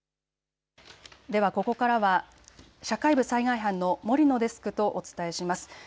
では、ここからは社会部災害班の森野デスクとお伝えします。